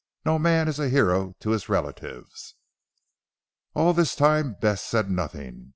No man is a hero to his relatives. All this time Bess said nothing.